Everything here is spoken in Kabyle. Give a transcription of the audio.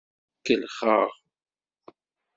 Kellxeɣ.